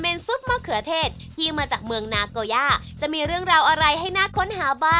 วันนี้ขอบคุณมีตามากครับขอบคุณมากครับ